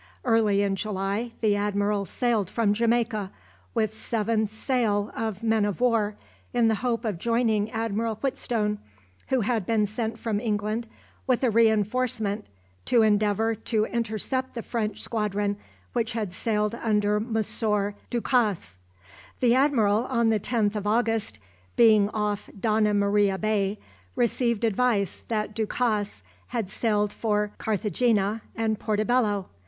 Early in July, the admiral sailed from Jamaica, with seven sail of men of war, in the hope of joining Admiral Whitstone, who had been sent from England with a reinforcement to endeavour to intercept the French squadron which had sailed under Monsieur Du Casse. The admiral on the 10th of August, being off Donna Maria Bay, received advice that Du Casse had sailed for Carthagena and Portobello.